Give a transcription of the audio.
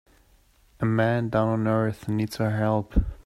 A man down on earth needs our help.